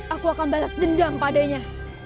aku akan batas dendam padanya